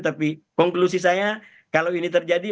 tapi konklusi saya kalau ini terjadi